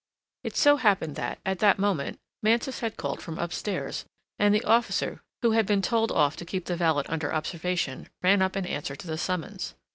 It so happened that, at that moment, Mansus had called from upstairs, and the officer, who had been told off to keep the valet under observation, ran up in answer to the summons.